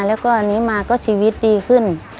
แล้วก็อันนี้มาก็ชีวิตดีขึ้น